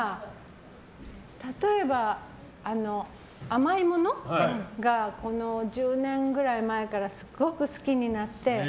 例えば、甘いものが１０年ぐらい前からすごく好きになって。